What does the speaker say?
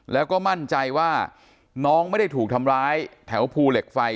แล้วก็มั่นใจว่าน้องไม่ได้ถูกทำร้ายแถวภูเหล็กไฟ